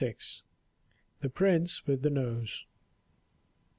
THE PRINCE WITH THE NOSE.